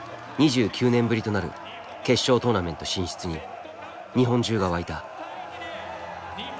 ２９年ぶりとなる決勝トーナメント進出に日本中が沸いた。